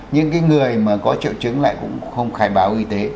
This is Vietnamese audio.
những người mà có triệu chứng lại cũng không khai báo y tế